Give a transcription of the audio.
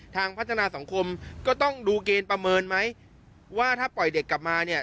ทางพัฒนาสังคมก็ต้องดูเกณฑ์ประเมินไหมว่าถ้าปล่อยเด็กกลับมาเนี่ย